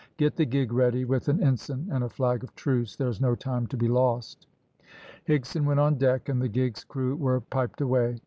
Get the gig ready, with an ensign and a flag of truce. There's no time to be lost." Higson went on deck, and the gig's crew were piped away.